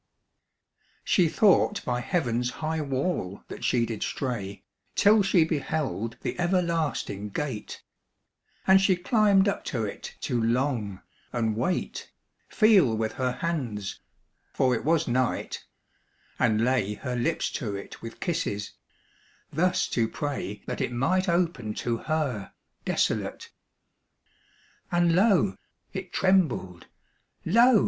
She thought by heaven's high wall that she did stray Till she beheld the everlasting gate: And she climbed up to it to long, and wait, Feel with her hands (for it was night), and lay Her lips to it with kisses; thus to pray That it might open to her desolate. And lo! it trembled, lo!